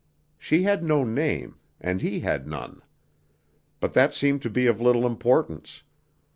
She had no name, and he had none. But that seemed to be of little importance.